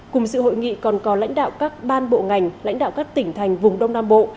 cùng sự hội nghị còn có lãnh đạo các ban bộ ngành lãnh đạo các tỉnh thành vùng đông nam bộ